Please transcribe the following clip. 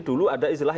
dulu ada istilah